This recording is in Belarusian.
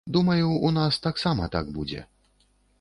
Думаю, у нас таксама так будзе.